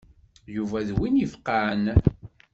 Yuba d win ifeqqɛen.